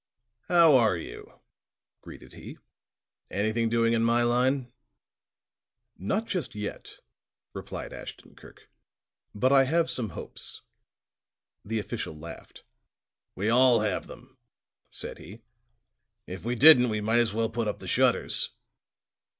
"How are you?" greeted he. "Anything doing in my line?" "Not just yet," replied Ashton Kirk, "but I have some hopes." The official laughed. "We all have them," said he. "If we didn't we might as well put up the shutters."